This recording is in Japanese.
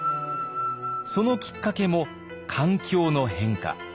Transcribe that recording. そのきっかけも環境の変化。